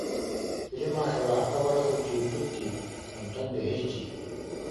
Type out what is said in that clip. Били Машалаахха бара сылдьыбыппыт дии, онтон бэһис дьиэ